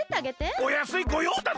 おやすいごようだぜ！